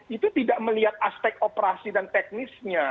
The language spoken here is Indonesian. itu tidak melihat aspek operasi dan teknisnya